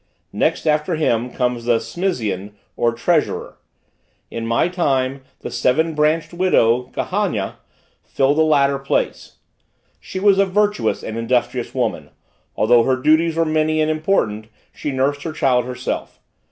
Next after him comes the Smizian, or treasurer. In my time, the seven branched widow, Kahagna, filled the latter place. She was a virtuous and industrious woman; although her duties were many and important, she nursed her child herself.